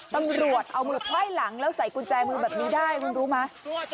ตำรวจเอามือไพ่หลังแล้วใส่กุญแจมือแบบนี้ได้คุณรู้ไหม